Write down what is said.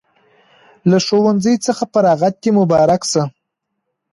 له ښوونځي څخه فراغت د مبارک شه